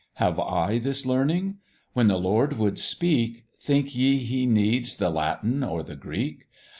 Have I this Learning? When the Lord would speak; Think ye he needs the Latin or the Greek?